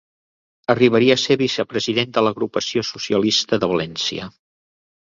Arribaria a ser vicepresident de l'Agrupació socialista de València.